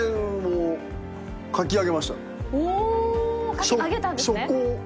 書き上げたんですね。